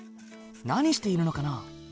何しているのかな？